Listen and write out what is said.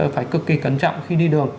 phải cực kỳ cẩn trọng khi đi đường